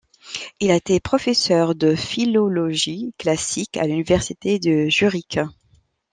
Il a été professeur de philologie classique à l'université de Zurich.